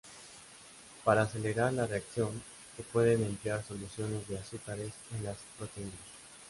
Para acelerar la reacción se pueden emplear soluciones de azúcares en las proteínas.